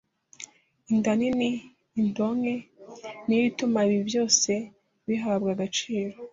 inda nini indonke niyo ituma ibi byose bihabwa agaciro